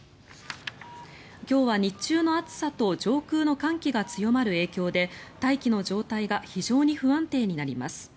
今日は日中の暑さと上空の寒気が強まる影響で大気の状態が非常に不安定になります。